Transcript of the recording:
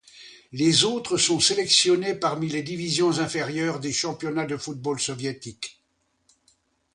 Les autres sont sélectionnés parmi les divisions inférieures des championnats de football soviétique.